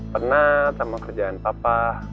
penat sama kerjaan papa